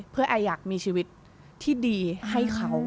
เพื่อแอร์อยากมีชีวิตที่ดีให้เขา